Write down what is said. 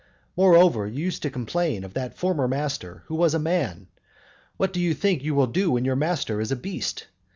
Moreover, you used to complain of that former master, who was a man; what do you think you will do when your master is a beast?